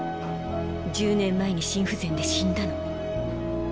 １０年前に心不全で死んだの。